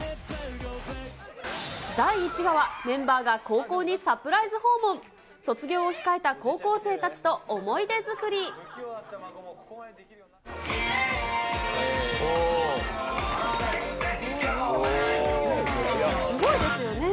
第１話は、メンバーが高校にサプライズ訪問、卒業を控えた高校生すごいですよね。